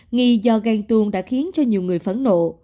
nghi do ghen tuôn đã khiến cho nhiều người phẫn nộ